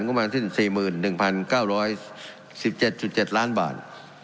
ความสร้างสิ้น๔๑๙๑๗๗ล้านบาท